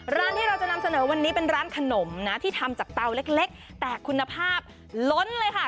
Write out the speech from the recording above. ร้านที่เราจะนำเสนอวันนี้เป็นร้านขนมนะที่ทำจากเตาเล็กแต่คุณภาพล้นเลยค่ะ